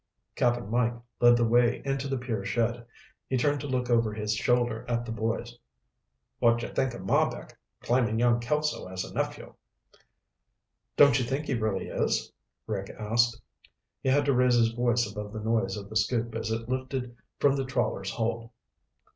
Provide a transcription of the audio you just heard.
Cap'n Mike led the way into the pier shed. He turned to look over his shoulder at the boys. "What'd you think of Marbek claiming young Kelso as a nephew?" "Don't you think he really is?" Rick asked. He had to raise his voice above the noise of the scoop as it lifted from the trawler's hold.